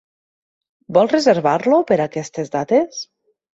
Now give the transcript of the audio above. Vol reservar-lo per aquestes dates?